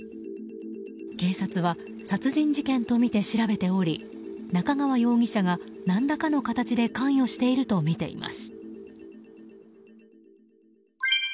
警察は殺人事件とみて調べており中川容疑者が何らかの形で関与しているとみています。